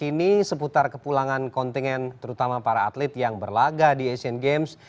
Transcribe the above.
kini seputar kepulangan kontingen terutama para atlet yang berlaga di asian games